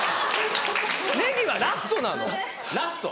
ネギはラストなのラスト。